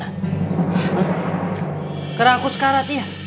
karena aku suka ratia